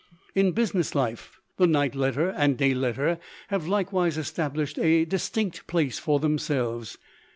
In business life the night letter and day letter have likewise established a distinct place for themselves.